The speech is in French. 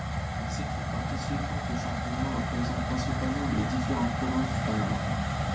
Les équipes participant au championnat représentent principalement les différentes provinces du Panama.